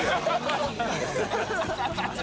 ハハハハ。